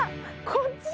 こっち。